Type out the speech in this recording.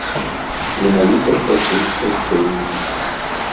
Менавіта ў такім спалучэнні.